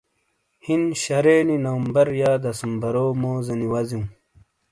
ہِن شَرے نی نومبر یا دسمبرو موزینی وزیوں۔